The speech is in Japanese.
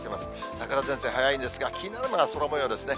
桜前線早いんですが、気になるのは空もようですね。